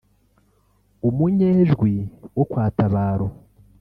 umunyejwi wo kwa Tabaro